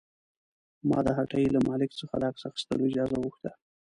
ما د هټۍ له مالک څخه د عکس اخیستلو اجازه وغوښته.